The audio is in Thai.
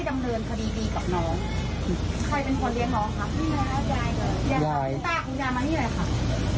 ตาของยายมานี่เลยค่ะ